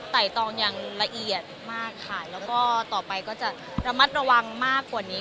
ตองอย่างละเอียดมากค่ะแล้วก็ต่อไปก็จะระมัดระวังมากกว่านี้